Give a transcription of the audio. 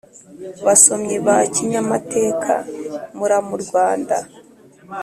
basomyi ba kinyamateka muramurwanda